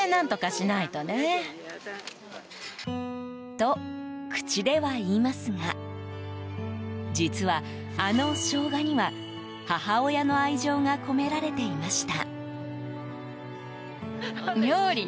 と、口では言いますが実は、あのショウガには母親の愛情が込められていました。